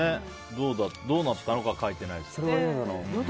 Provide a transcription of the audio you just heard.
どうなったかは書いてないですね。